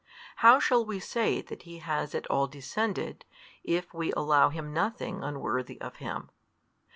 How shall we say that He has at all descended, if we allow Him nothing unworthy of Him?